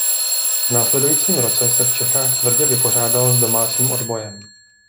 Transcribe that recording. V následujícím roce se v Čechách tvrdě vypořádal s domácím odbojem.